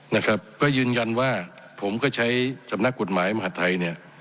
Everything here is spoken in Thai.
นะครับก็ยืนยันว่าผมก็ใช้สำนักกฎหมายมหาธัยเนี่ย